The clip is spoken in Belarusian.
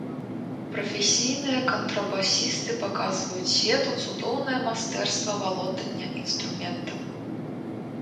Прафесійныя кантрабасісты паказваюць свету цудоўнае майстэрства валодання інструментам.